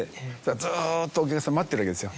ずっとお客さん待ってるわけですよ。